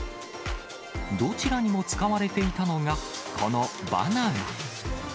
どちらにも使われていたのが、このバナナ。